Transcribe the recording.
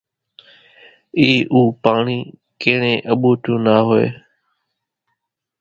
اِي اُو پاڻي ڪيڻيئين اٻوٽيون نا ھوئي،